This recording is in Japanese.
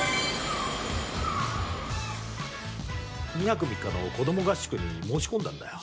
２泊３日の子ども合宿に申し込んだんだよ。